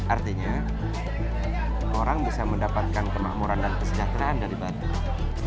artinya orang bisa mendapatkan kemakmuran dan kesejahteraan dari badung